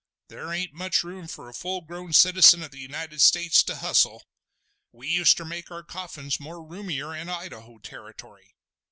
There ain't much room for a full grown citizen of the United States to hustle. We uster make our coffins more roomier in Idaho territory.